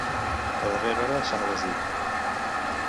A darrera hora se n'ha desdit.